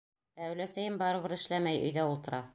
Ә өләсәйем барыбер эшләмәй, өйҙә ултыра...